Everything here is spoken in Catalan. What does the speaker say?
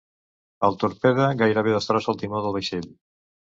El torpede gairebé destrossa el timó del vaixell.